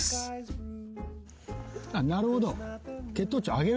なるほど。